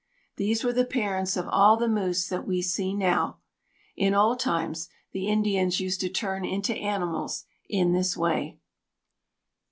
These were the parents of all the moose that we see now. In old times the Indians used to turn into animals in this way.